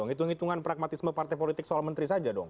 hitung hitungan pragmatisme partai politik soal menteri saja dong